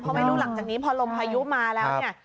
เพราะไม่รู้หลังจากนี้พอลมพายุมาแล้วเนี่ย